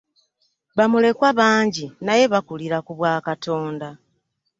Ba mulekwa bangi naye bakulira ku bwa Katonda.